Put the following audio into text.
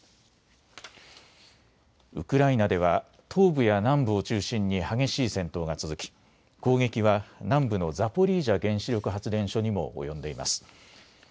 ウクライナでは東部や南部を中心に激しい戦闘が続き攻撃は南部のザポリージャ原子力発電所にも及んでいます。